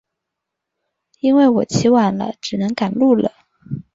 教育的目的在于充分发展人的个性并加强对人权和基本自由的尊重。